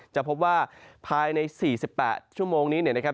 จะพบว่าภายใน๔๘ชั่วโมงนี้เนี่ยนะครับ